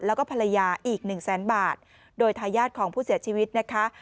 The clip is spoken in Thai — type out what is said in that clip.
แล้วก็ภรรยาอีกหนึ่งแสนบาทโดยทายาทของผู้เสียชีวิตนะคะ